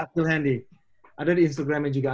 phil handy ada di instagramnya juga